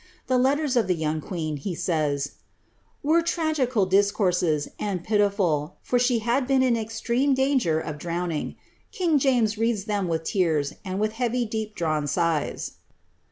The letters of the young queen, he savs, '■were tragical discourses, and pitiful, for she h;id been in extreme danger of drowning; king James read them with tears, and with heavv. ijefp dtawn sighs."